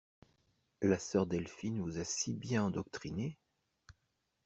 La sœur Delphine vous a si bien endoctrinée?